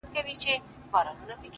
راته شعرونه ښكاري ـ